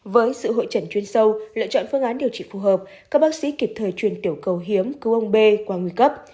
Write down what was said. với sự hội trần chuyên sâu lựa chọn phương án điều trị phù hợp các bác sĩ kịp thời truyền tiểu cầu hiếm cứu ông b qua nguy cấp